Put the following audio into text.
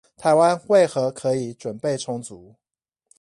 台灣為何可以準備充足